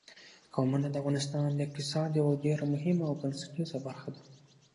قومونه د افغانستان د اقتصاد یوه ډېره مهمه او بنسټیزه برخه ده.